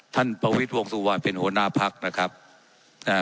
ประวิทย์วงสุวรรณเป็นหัวหน้าพักนะครับอ่า